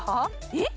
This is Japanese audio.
えっ？